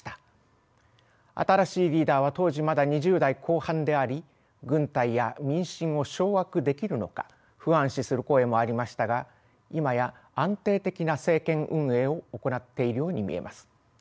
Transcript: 新しいリーダーは当時まだ２０代後半であり軍隊や民心を掌握できるのか不安視する声もありましたが今や安定的な政権運営を行っているように見えます。